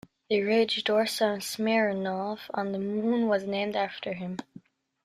The ridge Dorsa Smirnov on the Moon was named after him.